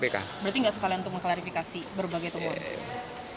berarti nggak sekalian untuk mengklarifikasi berbagai temuan